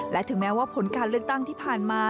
และถึงแม้ว่าผลการเลือกตั้งที่ผ่านมา